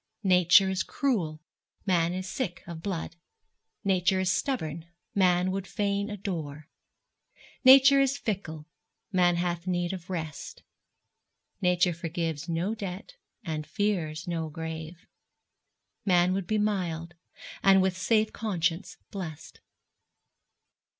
Nature is cruel, man is sick of blood; Nature is stubborn, man would fain adore; Nature is fickle, man hath need of rest; Nature forgives no debt, and fears no grave; Man would be mild, and with safe conscience blest.